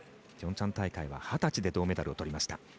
ピョンチャン大会は二十歳で銅メダルをとりました。